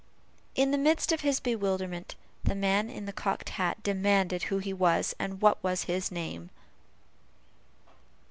In the midst of his bewilderment, the man in the cocked hat demanded who he was, and what was his name?